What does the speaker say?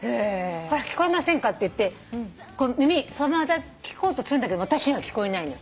「ほら聞こえませんか？」って言って耳そばだてて聞こうとするんだけど私には聞こえないのよ